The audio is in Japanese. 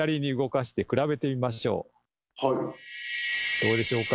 どうでしょうか？